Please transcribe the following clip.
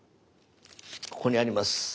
ここにあります。